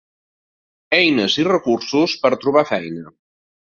Eines i recursos per a trobar feina.